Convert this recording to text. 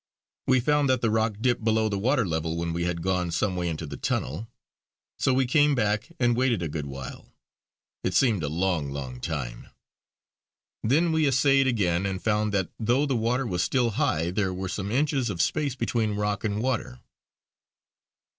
We found that the rock dipped below the water level when we had gone some way into the tunnel. So we came back and waited a good while it seemed a long, long time. Then we essayed again, and found that though the water was still high there were some inches of space between rock and water.